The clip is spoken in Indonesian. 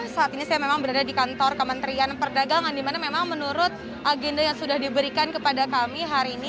saat ini saya memang berada di kantor kementerian perdagangan dimana memang menurut agenda yang sudah diberikan kepada kami hari ini